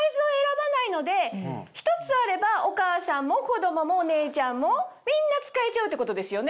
１つあればお母さんも子供もお姉ちゃんもみんな使えちゃうってことですよね。